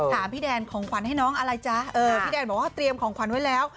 พี่แดนของขวัญให้น้องอะไรจ๊ะพี่แดนบอกว่าเตรียมของขวัญไว้แล้ว